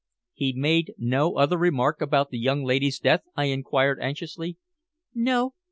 "He made no other remark about the young lady's death?" I inquired anxiously. "No.